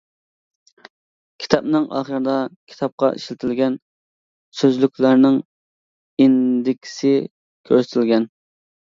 كىتابنىڭ ئاخىرىدا كىتابتا ئىشلىتىلگەن سۆزلۈكلەرنىڭ ئىندېكسى كۆرسىتىلگەن.